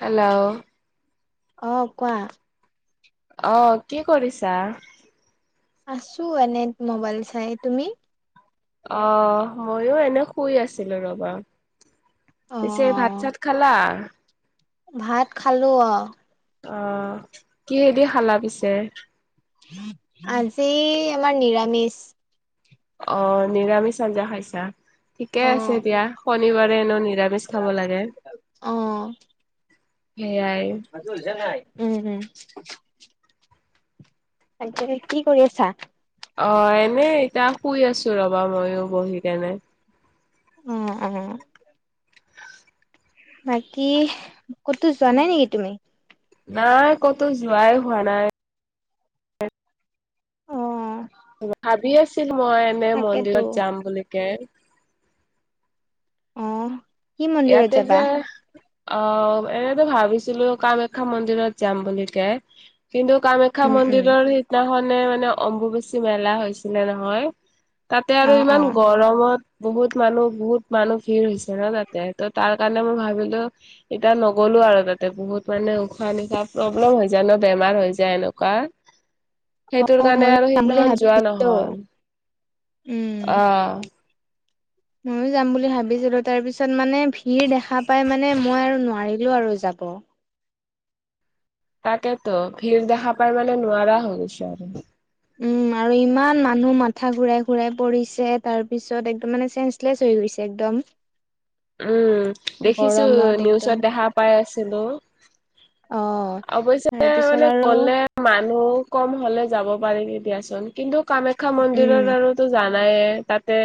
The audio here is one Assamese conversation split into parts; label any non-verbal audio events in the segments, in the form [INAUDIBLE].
হেল্ল' অঁ কোৱা আহ কি কৰিছা! আছো এনে মোবাইল চাই তুমি আহ মইও এনে শুই আছিলো ৰবা অ চ ভাত চাত খালা ভাত খালো অঁ। অঁ কিহেদি খালা পিছে আজি আমাৰ নিৰামিষ অঁ নিৰামিষ চ আঞ্জা খাই ছা ঠিকে অ আছে এতিয়া শনিবাৰে এন নিৰামিষ খাব লাগে সেইয়াই আজ উল নাই উম উম। আ কি কৰি আছা। অঁ এনে এতিয়া শুই আছো ৰবা মইও বহি কেনে? উম উম। বাকী ক'তো যোৱা নাই নেকি তুমি? নাই কতো যোৱাই হোৱা নাই। অ ভাবি আছিল মই এনে তাকেতো মন্দিৰত যাম বুলিকে আহ কি মন্দিৰত যাবা অঁ এনেতো ভাবিছিলো কামাখ্যা মন্দিৰত যাম বুলি কে কিন্তু কামাখ্যা উম উম মন্দিৰৰ সিদিনাখনে মানে অম্বু বেচি মেলা হৈছিলে নহয় তাতে আৰু অ অ ইমান গৰমত বহুত মানুহ বহুত মানুহ ভিৰ হৈছে ন তাত ত তাৰ কাৰণে মই ভাবিলো এতিয়া নগলো আৰু তাতে বহুত মানে উশাহ নিশাহ প্ৰব্লেম হৈ যা ন বেমাৰ হৈ যায় এনেকুৱা সেইটোৰ অ কাৰণে ময়ো আৰু যাম বুলি সিদিনাখন যোৱা ভাবিছিলো নহল আহ মইয়ো যাম বুলি ভাবিছিলো তাৰ পিছত মানে ভিৰ দেখা পাই মানে মই আৰু নোৱাৰিলো আৰু যাম অঁ তাকতো ভিৰ দেখা পাৰেমানে নোৱাৰা হৈ গৈছো আৰু উম আৰু ইমান মানুহ মাথা ঘুৰাই ঘুৰাই পৰিছে তাৰ পিছত একদম মানে চেঞ্চলেচ হৈ একদম উম দেখিছো গৰমত একদম নিউজত দেখা পাই আছিলো অ অৱশ্য তাৰপিছত মানে আৰু গলে মানুহ কম হলে যাব পাৰে নি দিয়াচোন কিন্তু কামাখ্যা মন্দিৰৰ উম আৰুতো জানায়ে তাতে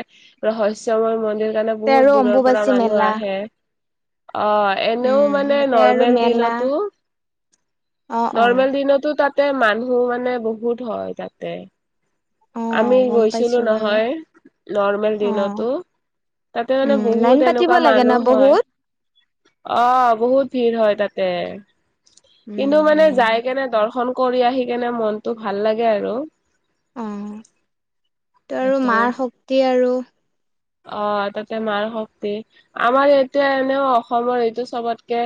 ৰহস্যময় মন্দিৰ সেইকাৰণে তাতে আৰু বহুত দূৰৰ পৰা অম্বুবাচী মানুহ মেলা আহে অঁ এনেও উম মানে তাতে আৰু নৰ্মেল মেলা দিনতো অ অ নৰ্মেল দিনতো তাতে মানুহ মানে বহুত হয় তাতে অ আমি গম পাইছো গৈছিলো বাৰু নহয় নৰ্মেল অ দিনতো তাতে মানে উম লাইন বহুত পাতিব এনেকুৱা লাগে ন মানুহ হয় বহুত অ বহুত ভিৰ হয় তাতে উম কিন্তু মানে উম যাই কেনে দৰ্শন কৰি আহি কেনে মনতটো ভাল লাগে আৰু অ ত আৰু এইটো মাৰ শক্তি আৰু অ তাতে মাৰ শক্তি আমাৰ এতিয়া এনেও অসমৰ এইটো চবতকে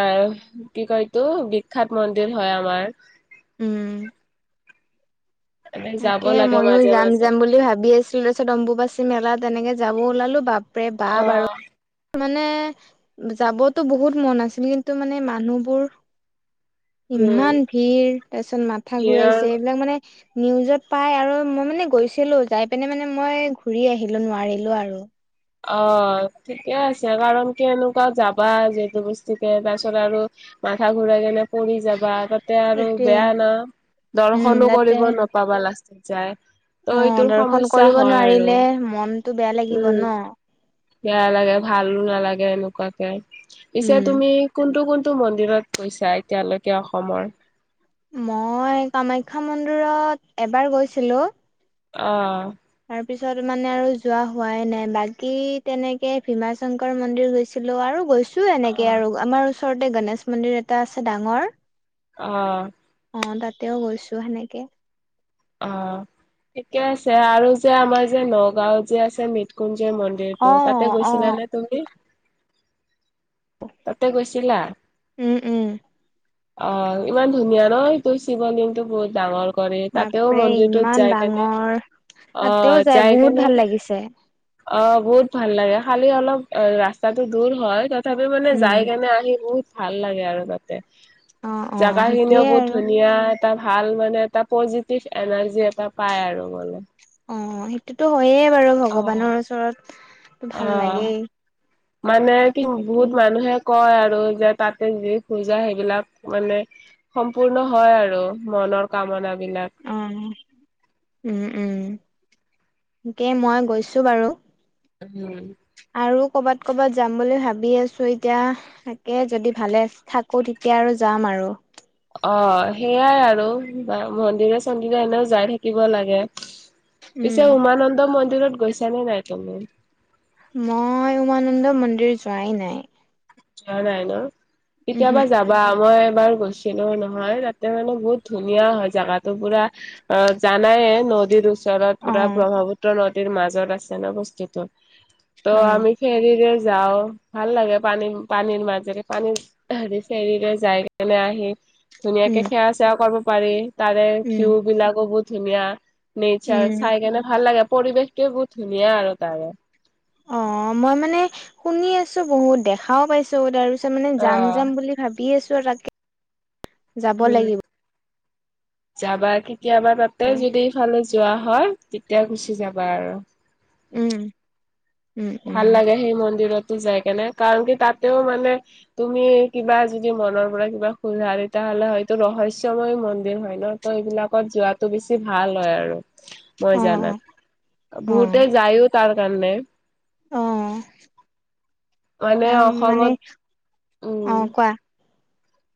আহ কি কতো বিখ্যাত মন্দিৰ হয় আমাৰ উম। আমি যাব তাকে লাগে ময়ো মাজে যাম মাজে যাম বুলি ভাবি আছিলো তাৰপিছত অম্বুবাচী মেলাত তেনেকে যাব ওলালো বাপৰে অ বাপা আৰু মানে যাবতো বহুত মন আছিল কিন্তু মানে মানুহবোৰ উম ইমান ভিৰ তাৰপিছত মাথা হিৰৰ ঘূৰাইছে এইবিলাক মানে নিউজত পাই আৰু মই মানে গৈছিলো যাই পিনে মানে মই ঘূৰি আহিলো নোৱাৰিলো আৰু অ ঠিকে আছে কাৰণ কেনেকুৱা যাবা যিহেতু বস্তুকে তাৰপিছত আৰু মাথা ঘূৰা যেনে কৰি যাবা তাতে আৰু সেইটোৱে বেয়া না উম দৰ্শনো তাতে কৰিব নপাবা লাষ্ট য অ ত' এইটোৰ দৰ্শন সমস্যা কৰিব হয় আৰু নোৱাৰিলে মনটো বেয়া লাগিব ন উম। বেয়া লাগে ভালো নালাগে এনেকুৱাকে পিছে উম তুমি কোনটো কোন টো মন্দিৰত কৈছা এতিয়ালৈকে অসমৰ মই কামাখ্যা মন্দিৰত এবাৰ গৈছিলো। অ তাৰ পিছত মানে আৰু যোৱা হোৱাই নাই বাকী তেনেকে ভীমা শংকৰ মন্দিৰ গৈছিলো আৰু গৈছো। টো এনেকে অ', আৰু আমাৰ ওচৰতে গনেশ মন্দিৰ এটা আছে ডাঙৰ। অ। অ তাতেও গৈছো সেনেকে অ থিকে আছে আৰু যে আমাৰ যে নগাঁও যে আছে মিটকু য় অ মন্দিৰটো তাতে অ গৈছিলাানে তুমি? তাতে গৈছিলা? উম উম অ ইমান ধুনীয়া নহ তোৰ শিৱলিংতটো বহুত ডাঙৰ কৰে তাতেও বাপৰে মন্দিৰটোত ইমান যাই কেনে ডাঙৰ অ তাতেও যাই বহুত কেনে ভাল লাগিছে অ বহুত ভাল লাগে খালি অলপ ৰাস্তাটো দূৰ হয়। ত তাপি মানে উম যাই কেনে আহি বহুত ভাল লাগে আৰু তাতে অ অ জাগা খিনিও সেইটোয়ে বহুত আৰু ধুনীয়া এটা ভাল মানে এটা পজিটিভ এনাৰ্জি এটা পাই আৰু মানে অ সেইটোতো হয়য়ে বাৰু অ'। ভগৱানৰ ওচৰত ভাল অ', লাগেই। মানে কি বহুত তাকেই মানুহে কয় আৰু যে তাতে যি খোজা সেইবিলাক মানে সম্পূৰ্ণ হয় আৰু মনৰ কামনা অ উম উম। তাকে মই গৈছো বাৰু উম আৰু কবাত কবাত যাম বুলি ভাবি আছোঁ এতিয়া তাকে যদি ভালে থাকো তেতিয়া আৰু যাম যাম আৰু অ সেইয়াই আৰু মন্দিৰে চন্দিৰে এনেও যাই থাকিব লাগে উম পিছে উমানন্দ মন্দিৰত গৈছানে নাই তুমি? মই উমানন্দ মন্দিৰ যোৱাই নাই। যোৱা নাই ন কেতিয়াবা উমহু যাবা মই এবাৰ গৈছিলো নহয় তাতে মানে বহুত ধুনীয়া হয় জোগা পুৰা অ জানায়। নদীৰ ওচ ৰত অ পুৰা ব্ৰহ্মপুত্ৰ নদীৰ মাজত আছে ন বস্তিতো ত অ আমি ফেৰিৰে যাও ভাল লাগে পানী। পানীৰ মাজেৰে পানী হেৰি ফেৰি লৈ যাই কেনে আহি ধুনীয়াকে উম সেৱা সেৱা কৰিব পাৰি তাৰে উম ভিউ বিলাকো বহুত ধুনীয়া নেচাৰ উম চাই কেনে ভাল লাগে। পৰিৱেশটোৱে বহুত ধুনীয়া আৰু তাৰে অ মই মানে শুনি আছো বহুত দেখাও পাইছো তাৰপিছত তাৰ মানে অ যাম যাম বুলি ভাবি আছো আৰু তাকে যাব উম লাগিব যাবা কেতিয়াবা তাতে যদি সেইফালে যোৱা হয় তেতিয়া গুচি যাবা আৰু উম উম ভাল উম লাগে সেই মন্দিৰত যাই কেনে কাৰণ কি তাতেও মানে তুমি কিবা যদি মনৰ পৰা কিবা খোজা তেতিয়া নহলে হয়টো ৰহস্যময় মন্দিৰ হয় ন ত এইবিলাকত যোৱাটো বেছি ভাল হয় আৰু অ মই জানাত অ বহুতে যায়ও তাৰ কাৰণে অ মানে তাম মানে অসমত অ উম কোৱা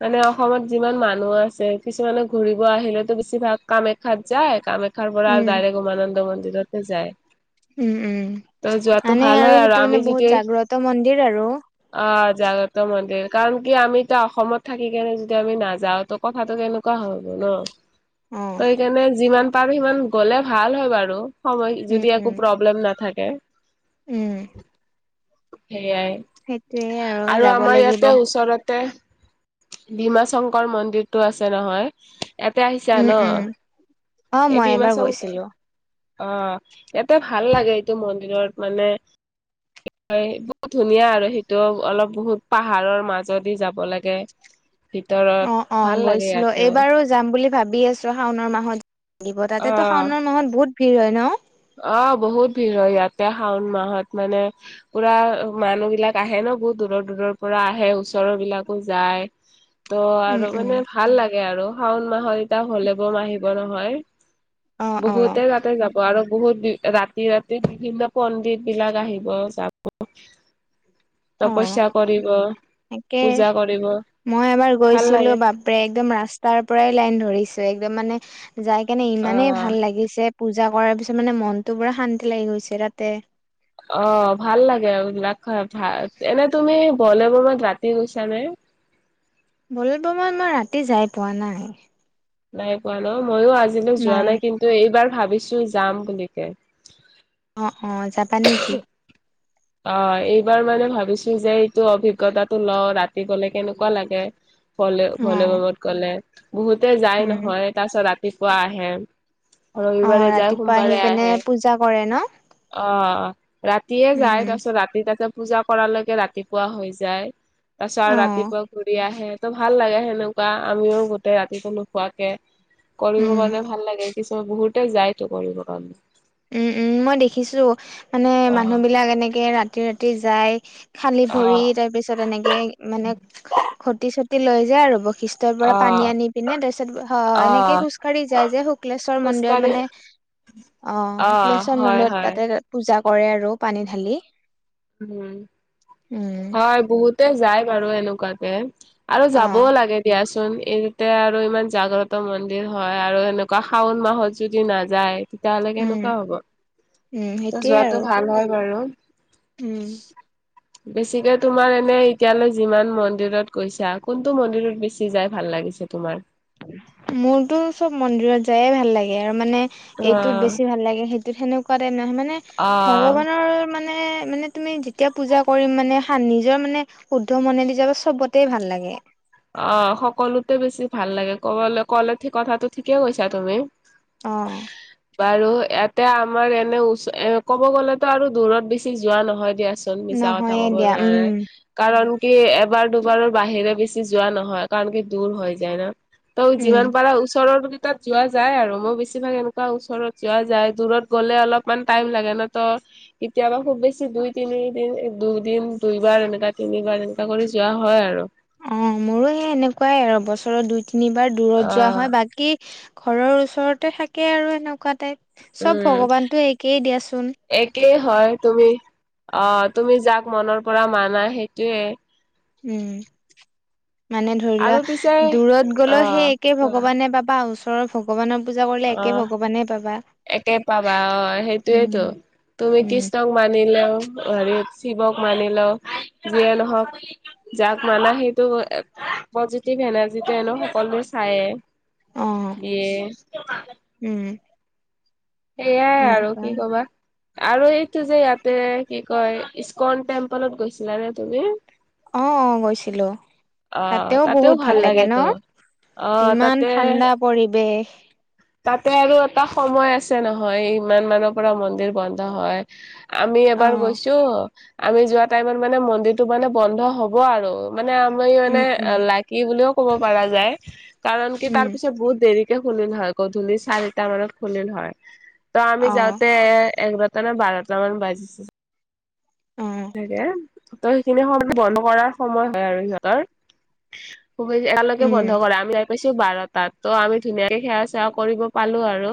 মানে অসমত যিমান মানুহ আছে কিছুমানে ঘুৰিব আহিলেতো বেছিভাগ কামাখ্যাত যায় কামাখ্যা তাৰ পৰা আৰু উম ডাইৰেক উমানন্দ মন্দিৰতে যায় উম উম তই যোৱাটো মানে ভাল হয় আৰু সেইটো আমি মানে বহুত যদি জাগ্ৰত মন্দিৰ আৰু আ জাগ্ৰত মন্দিৰ কাৰণ কি আমি এতিয়া অসমত থাকি কেনে যদি আমি নাযাওঁ ত কথাটো কেনেকুৱা হব ন ত উম সেইকাৰণে যিমান পাৰো সিমান গলে ভাল হয় বাৰু সময় যদি একো উম প্ৰব্লেম নাথাকে উম সেইয়াই সেইটোয়ে আৰু যাব আমাৰ লাগিব ইয়াতে ওচৰত তে ভীমা শংকৰ মন্দিৰটো আছে নহয় ইয়াতে আহিছা উম ন উম অ এই মই বিমা এবাৰ শং গৈছিলো অ ইয়াতে ভাল লাগে এইটো মন্দিৰত মানে বহুত ধুনীয়া আৰু সেইটো অলপ বহুত পাহাৰৰ মাজত যাব লাগে ভিতৰত অ অ ভাল লাগে গৈছিলো ইয়াতেও এইবাৰো যাম বুলি ভাবি আছো শাওণৰ মাহত দিব তাতে তো অ', শাওণৰ মাহত বহুত ভিৰ হয় ন অ বহুত ভিৰ হয় ইয়াতে শাওণ মাহত মানে পুৰা মানুহ বিলাক আহে ন বহুত দূৰৰ দূৰৰ পৰা আহে ওচৰৰ বিলাকো যায় ত' উম আৰু উম মানে ভাল লাগে আৰু শাওণ মাহত এতিয়া হলে বম আহিব নহয় অ অ বহুতে তাতে যাব আৰু বহুত ৰাতি ৰাতি বিভিন্ন পণ্ডিত বিলাক আহিব যাব অ তপস্যা কৰিব, তাকে পূজা কৰিব। মই এবাৰ ভাল গৈছিলো লাগে। বাপৰে একদম ৰাস্তাৰ পৰাই লাইন ধৰিছো একদম মানে। যাই কেনে ইমানেই অ' ভাল লাগিছে। পূজা কৰাৰ পিছত মানে মনটো পুৰা শান্তি লাগি গৈছে তাতে। অ' ভাল লাগে ৰা ভা এনে তুমি বলে বমত ৰাতি গৈছা নে' [INAUDIBLE] বল ব্ৰমত মই ৰাতি যাই পোৱা নাই। নাই পোৱা ন? ময়ো আজিলৈ যোৱা নাই কিন্তু এইবাৰ ভাবিছো যাম বুলি কে। অ অ, যাবা নেকি। অ। এইবাৰ মানে ভাবিছো যে এইটো অভিজ্ঞতাটো লওঁ ৰাতি গলে কেনেকুৱা লাগে। ভলে ভলে অ বমত গ'লে বহুতে যাই উম। নহয় তাৰ পিছত ৰাতিপুৱা আহে। অ ৰবিবাৰে যায় ৰাতিপুৱা আহি সোমবাৰে পিনে আহে পূজা কৰে ন? অ। ৰাতিয়ে উম যায়, উম তাৰপিছত ৰাতি তাতে পূজা কৰালৈকে ৰাতিপুৱা হৈ যায়। তাৰপিছত অ আৰু ৰাতিপুৱা ঘূৰি আহে ত ভাল লাগে সেনেকুৱা আমিও গোতেেই ৰাতিটো নোখোৱাকে। কৰিব উম। কাৰণে ভাল লাগে কিছুমান বহুতে যায়তো কৰিব কাৰণে। উম উম, মই দেখিছো মানে অ মানুহ বিলাক এনেকে ৰাতি ৰাতি যায়। খালি ভৰি অ', তাৰ পিছত এনেকে মানে খুঁটি চুটি লৈ যায় আৰু। খ্ৰীষ্টৰ পৰা পানী অ', আনি পিনে তাৰপিছত এনেকে অ', খোজকাাঢ়ি যায় যে শুক্লেশ্বৰ মন্দিৰত মানে। উম। অ' শুক্লেশ্বৰ মন্দিৰত তাতে পূজা কৰে আৰু পানী ঢালি। উম উম। হয় বহুতে যায় বাৰু এনেকুৱাকে। আৰু অ যাবও লাগে দিয়াচোন। এইতে আৰু ইমান জাগ্ৰত মন্দিৰ হয় আৰু এেনেকুৱা শাওন মাহত যদি নাযায়। তেতিয়াহলে উম কেনেকুৱা হ'ব, উম ত সেইটোয়ে যোৱাাতটো আৰু ভাল হয় বাৰু। উম। [INAUDIBLE] বেছিকে তোমাৰ এনে এতিয়ালৈ যিমান মন্দিৰত গৈছা কোনটো মন্দিৰত বেছি যাই ভাল। ভাল লাগিছে তোমাৰ' মোৰতো চব মন্দিৰত যায়ে ভাল লাগে আৰু মানে এইটো অ', বেছি ভাল লাগে সেইটো। সেনেকুৱা টাইপ নাহয় মানে অ', ভগৱানৰ মানে। এ মানে তুমি যেতিয়া পূজা কৰিম মানে নিজৰ মানে শুদ্ধ মনে দি যাব চবতে ভাল লাগে। অ' সকলোতে বেছি ভাল লাগে কব কলে কথাটো ঠিকে কৈছা তুমি। অ বাৰু ইয়াত। এতিয়া আমাৰ এনে চ এ ক'ব গ'লেতো আৰু দূৰত বেছি যোৱা নহয় দিয়া। মিছা কথা নহয়ে কব দিয়া যোৱা নাই উম কাৰণ কি এবাৰ দুবাৰৰ বাহিৰেছি। যোৱা নহয়, কাৰণ কি দূৰ হৈ যায় ন ত উম যিমান পাৰা ওচৰত। তাত যোৱা যায় আৰু মই বেছিভাগ এনেকুৱা ওচৰত যোৱা যায় দূৰত গ'লে অলপমান টাইম লাগে ন তো। কেতিয়াবা। খুব বেছি দুই তিনিদিন দুইদিন দুই বাৰ এনেকা তিনিবাৰ এনেকা কৰি যোৱা হয় আৰু। অ' মোৰো সেই এনেকুৱাই আৰু বছৰ দুই তিনিবাৰ অ দূৰত যোৱা হয় বাকী ঘৰৰ ওচৰত। ওচৰতে থাকে আৰু এনেকুৱা টাইপ চব উম ভগৱানতটো একেই দিয়াচোন। একেই হয়, তুমি অ তুমি যাক মনৰ পৰা মানা সেইটোয়ে। উম। মানে ধৰি লোৱা আৰু পিছে দূৰত অ গ'লেও সেই একে কোৱা ভগৱানে পাবা ওচৰৰ ভগৱানৰ। পূজা কৰিলে অ একে ভগৱানে পাবা। একে পাবা অ, উম সেইটোৱেতো তুমি উম, কৃষ্ণক মানিলেও। হেৰি শিৱক মানি লও যিয়ে নহওক যাক মানা সেইটো। পজিটিভ এনাৰ্জি নো সকলোৱে চায় অ' দিয়ে। উম। সেইয়াই আৰু এনেকুৱা কি কবা আৰু এইটো যে ইয়াতে কি। কয় ই্কন টেম্পলত গৈছিলানে তুমি। অ' অ' গৈছিলো আহ তাতেও ভাল লাগে ত অহ ইমান তাতে ঠাণ্ডা পৰিৱেশ তাতে আৰু এটা সময় আছে নহয় ইমান মানৰ পৰা মন্দিৰ বন্ধ হয়। আমি এবাৰ অ' গৈছো আমি যোৱা টাইমত মানে মন্দিৰটো মানে বন্ধ হব আৰু। মানে আমি মানে উম উম লাকি বুলিও ক'ব পৰা যায় কাৰণ কি উম তাৰ পিছত বহুত দেৰি খুলিল হয় গধূলি চাৰিটা মানত খুলিল হয় ত আমি অ' যাওঁতে এ এক বা- টা নে বাৰটা মান বাজিছ- অ' ত সেইখিনি সময় বন্ধ কৰাৰ সময় হয় আৰু সিহঁতৰ। একালৈকে বন্ধ উম কৰে আমি পাইছো বাৰ তাত ত' আমি ধুনীয়াকে সেৱা চেৱা কৰিব পালো আৰু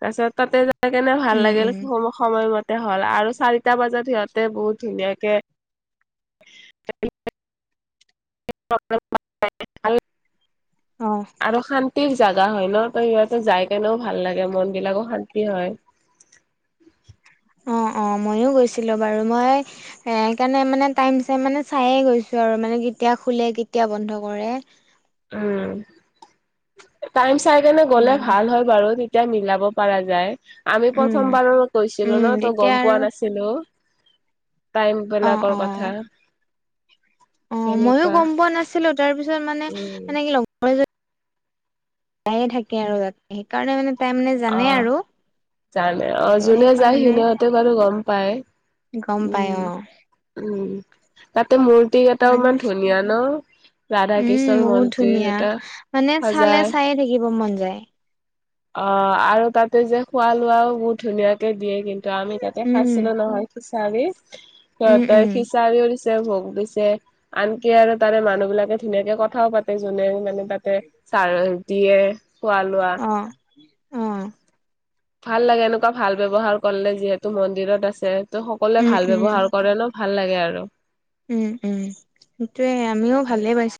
তাৰপিছত তাতে কেনে ভাল উম লাগিল উম সময়মতে হল আৰু চাৰিটা বজাত সিহঁতে বহুত ধুনীয়াকে [UNINTELLIGIBLE] অ' আৰু শান- তি জাগা হয় ন তই সিহঁতে যাই কেনেও ভাল লাগে মন বিলাকো শান্তি হয়। [INAUDIBLE] অ' অ মইয়ো গৈছিলো বাৰু মই সেইকাৰণে মানে টাইম চাইম মানে চাই গৈছো আৰু মানে খুলে কেতিয়া বন্ধ কৰে। উম টাইম চাই কেনে গ'লে সেনেকে ভাল হয় বাৰু। এতিয়া মিলাব পৰা যায় আমি উম প্ৰথম বাৰো কৈছিলো উম ন তই তেতিয়া গম আৰু পোৱা নাছিলো। টাইম অ বেলাকৰ অ কথা। অ মইো সেনেকুৱা গম পোৱা নাছিলো তাৰ পিছত মানে উম সেনেকি লগৰ এজনী তায়ে থাকে আৰু ত সেইকাৰণে মানে তাই মানে অ জানে আৰু। জানে অ ত যোনে যায় সেইকাৰণে সিনেহঁতে কো গম পায়। গম পাই উম অ উম তাতে মূৰ্তি কেইটাও ইমান কাৰণে ধুনীয়া ন। ৰাধা উম কৃষ্ণৰ বহুত মন্দিৰ ধুনীয়া এটা মানে চালে সজায়। চায়ে থাকিব মন যায় অ আৰু তাতে যে খোৱা লোৱাও বহুত ধুনীয়াকে দিয়ে কিন্তু আমি তাতে উম খাইছিলো নহয়। চাৰি উম তাৰ উম খি চাৰি। ভোগ দিছে আনকি আৰু তাৰে মানুহ বিলাকে ধুনীয়াকে কথাও পাতে যোনে মানে তাতে চাৰ দিয়ে খোৱা লোৱা। অ অ ভাল লাগে এনেকুৱা ভাল ব্যৱহাৰ কৰিলে যিহেতু মন্দিৰত আছে। ত সকলোৱে উম ভাল উম ব্যৱহাৰ কৰে ন ভাল লাগে আৰু। উম উম সেইটোয়ে আমিও ভালে পাইছ-